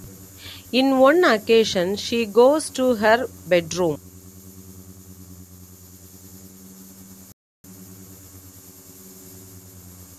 In one occasion, she goes to her bedroom.